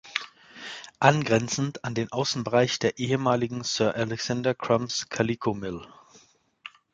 Angrenzend an den Außenbereich der ehemaligen Sir Alexander Crum's Calico Mill.